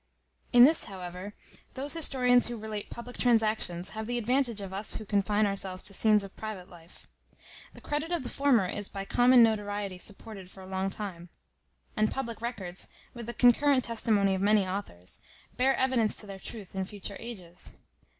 In this, however, those historians who relate public transactions, have the advantage of us who confine ourselves to scenes of private life. The credit of the former is by common notoriety supported for a long time; and public records, with the concurrent testimony of many authors, bear evidence to their truth in future ages.